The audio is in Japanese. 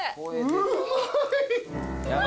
うまい！